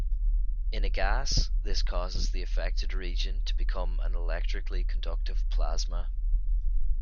In a gas, this causes the affected region to become an electrically conductive plasma.